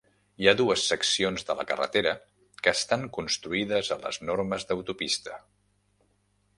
Hi ha dues seccions de la carretera que estan construïdes a les normes d'autopista.